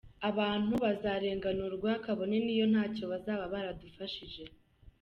Abantu bazarenganurwa kabone n’iyo ntacyo bazaba baradufashije.